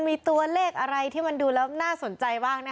มีตัวเลขอะไรที่มันดูแล้วน่าสนใจบ้าง